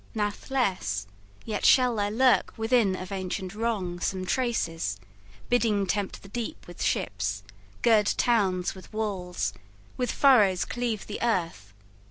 Nathless Yet shall there lurk within of ancient wrong Some traces, bidding tempt the deep with ships, Gird towns with walls, with furrows cleave the earth.